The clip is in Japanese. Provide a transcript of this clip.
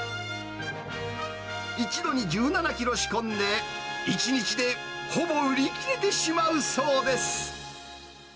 一度に１７キロ仕込んで、１日でほぼ売り切れてしまそうです。